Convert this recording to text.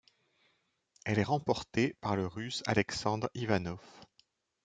Elle est remportée par le Russe Aleksandr Ivanov.